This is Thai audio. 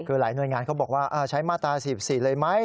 คือหลายหน่วยงานเขาบอกว่าใช้มาตรา๔๔เลยไหม